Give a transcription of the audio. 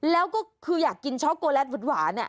แล้วก็คืออยากกินช็อกโกแลตหวาน